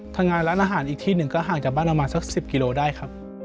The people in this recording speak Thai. ทำงานร้านอาหารอีกที่หนึ่งก็ห่างจากบ้านประมาณสัก๑๐กิโลได้ครับ